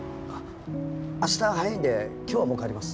明日早いんで今日はもう帰ります。